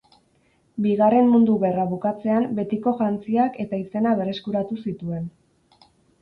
Bigarren Mundu Gerra bukatzean betiko jantziak eta izena berreskuratu zituen.